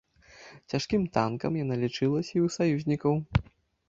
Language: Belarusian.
Цяжкім танкам яна лічылася і ў саюзнікаў.